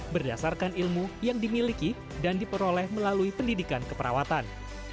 berdasarkan ilmu yang dimiliki dan diperoleh melalui pendidikan keperawatan